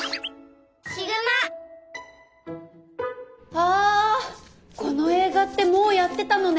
あこの映画ってもうやってたのね。